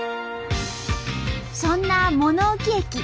そんな物置駅。